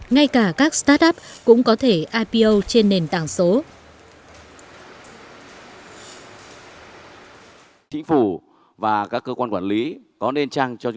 ngay cả các start up cũng có thể ipo trên nền tảng số